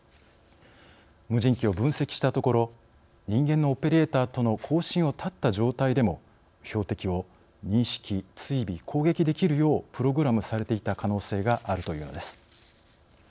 無人機を分析したところ人間のオペレーターとの交信を断った状態でも標的を認識、追尾攻撃できるようプログラムされていた可能性があるというのです。